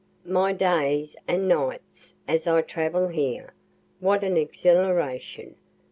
My days and nights, as I travel here what an exhilaration!